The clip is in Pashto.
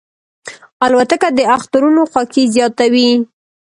الوتکه د اخترونو خوښي زیاتوي.